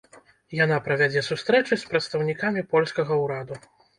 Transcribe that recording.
Яна правядзе сустрэчы з прадстаўнікамі польскага ўраду.